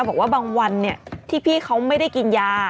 บอกว่าบางวันที่พี่เขาไม่ได้กินยา